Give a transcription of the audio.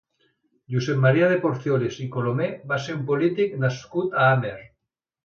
Josep Maria de Porcioles i Colomer va ser un polític nascut a Amer.